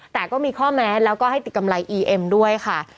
แต่ก็มีข้อแม้แล้วก็ให้ติดกำไรอีเอ็มด้วยค่ะ